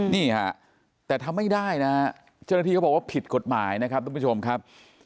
นี่ฮะแต่ทำไม่ได้นะฮะเจ้าหน้าที่เขาบอกว่าผิดกฎหมายนะครับทุกผู้ชมครับ